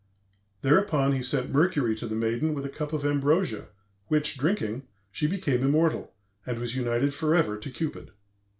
Thereupon he sent Mercury to the maiden with a cup of ambrosia, which, drinking, she became immortal, and was united forever to Cupid."